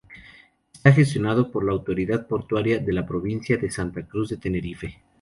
Está gestionado por la autoridad portuaria de la Provincia de Santa Cruz de Tenerife.